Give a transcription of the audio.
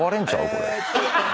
これ。